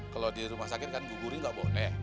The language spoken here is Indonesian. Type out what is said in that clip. kalau di rumah sakit kan gugurin gak boleh